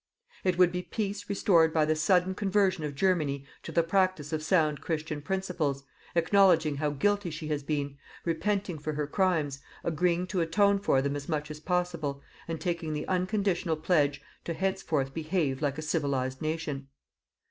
It would be peace restored by the sudden conversion of Germany to the practice of sound Christian principles, acknowledging how guilty she has been, repenting for her crimes, agreeing to atone for them as much as possible, and taking the unconditional pledge to henceforth behave like a civilized nation.